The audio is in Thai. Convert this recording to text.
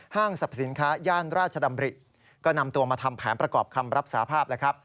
ห้างสรรพสินค้าย่านราชดำริก็นำตัวมาทำแผนประกอบคำรับสาภาพ